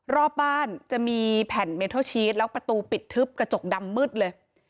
รอบบ้านจะมีแผ่นเมทัลชีสแล้วประตูปิดทึบกระจกดำมืดเลย